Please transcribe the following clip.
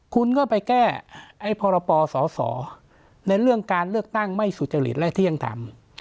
คุณก็ไปแก้ไอ้พรปสสในเรื่องการเลือกตั้งไม่สุจริตและเที่ยงธรรม